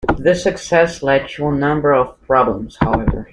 This success led to a number of problems, however.